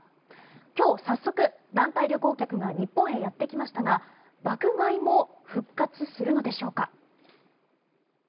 今日、早速、団体旅行客が日本へやってきましたが爆買いも復活するのでしょうか？